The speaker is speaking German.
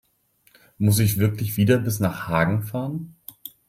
Muss ich wirklich wieder bis nach Hagen fahren?